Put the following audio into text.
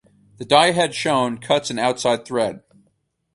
The die head shown cuts an outside thread.